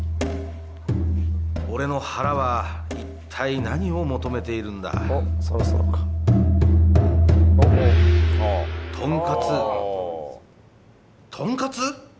俺の腹は一体何を求めているんだとんかつとんかつ！？